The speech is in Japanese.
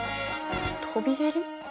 飛び蹴り？